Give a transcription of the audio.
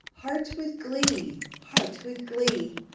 _—Heart with glee! heart with glee!